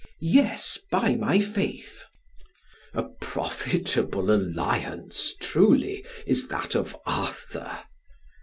"Yes, by my faith." "A profitable alliance, truly, is that of Arthur."